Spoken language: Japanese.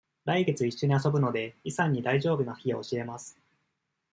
来月一緒に遊ぶので、イさんに大丈夫な日を教えます。